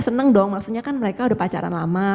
seneng dong maksudnya kan mereka udah pacaran lama